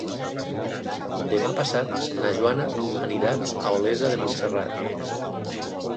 Demà passat na Joana anirà a Olesa de Montserrat.